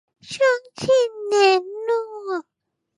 中正南路